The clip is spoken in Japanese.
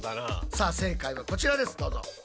さあ正解はこちらですどうぞ。